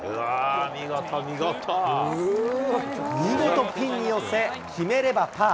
見事、ピンに寄せ、決めればパー。